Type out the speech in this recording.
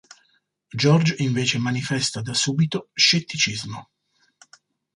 George invece manifesta da subito scetticismo.